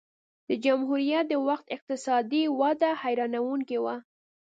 د جمهوریت د وخت اقتصادي وده حیرانوونکې وه